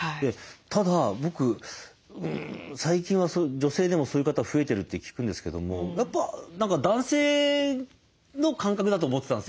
ただ僕最近は女性でもそういう方増えてるって聞くんですけどもやっぱ何か男性の感覚だと思ってたんですよ。